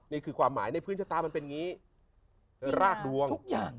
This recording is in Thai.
นี่คือความหมายในพื้นชะตามันเป็นงี้รากดวง